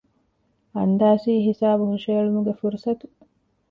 އަންދާސީ ހިސާބު ހުށަހެޅުމުގެ ފުރުޞަތު